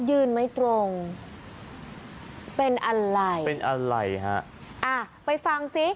ยืนไม่ตรงเป็นอะไรเป็นอะไรฮะอ่าไปฟังสิ